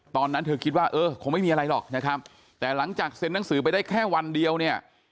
ตอนนั้นเธอคิดว่าเออคงไม่มีอะไรหรอกนะครับแต่หลังจากเซ็นหนังสือไปได้แค่วันเดียวเนี่ย